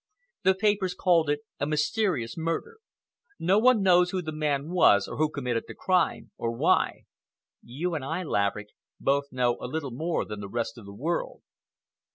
The papers called it a mysterious murder. No one knows who the man was, or who committed the crime, or why. You and I, Laverick, both know a little more than the rest of the world."